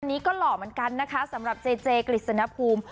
อันนี้ก็หล่อเหมือนกันนะคะสำหรับเจเจกฤษณภูมิ